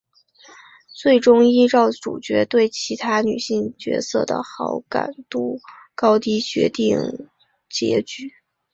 最终依照主角对其他女性角色的好感度高低决定结局。